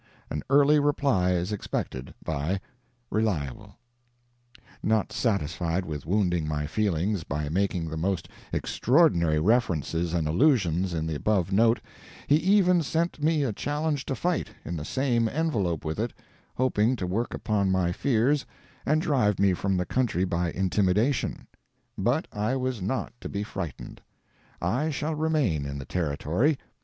An early reply is expected by RELIABLE Not satisfied with wounding my feelings by making the most extraordinary references and allusions in the above note, he even sent me a challenge to fight, in the same envelope with it, hoping to work upon my fears and drive me from the country by intimidation. But I was not to be frightened; I shall remain in the Territory.